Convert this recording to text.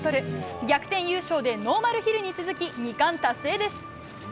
逆転優勝でノーマルヒルに続き２冠達成です。